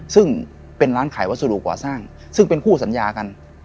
ซึ่งเป็นร้านขายวัสดุก่อสร้างซึ่งเป็นคู่สัญญากัน